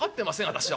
私は。